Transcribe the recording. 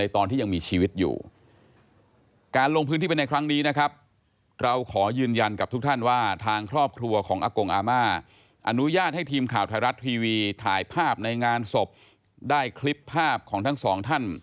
ที่ถ่ายภาพในงานศพได้คลิปภาพของทั้งสองท่าน